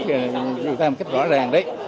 thì người ta làm cách rõ ràng đấy